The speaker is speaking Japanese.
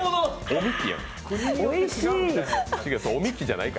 おいしい。